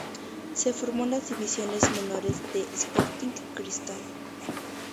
Se formó en las divisiones menores de Sporting Cristal.